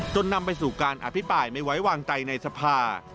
จนนำไปสู่การอภิษฐ์ไม่ไหววางใจในสภา